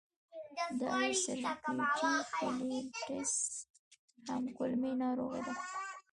د السرېټیو کولیټس هم کولمې ناروغي ده.